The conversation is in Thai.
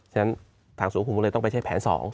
ฉะนั้นทางสวนภูมิก็เลยต้องไปใช้แผน๒